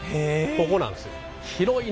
ここなんですよ。